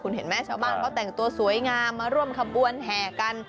เห็นไหมชาวบ้านเขาแต่งตัวสวยงามมาร่วมขบวนแห่กัน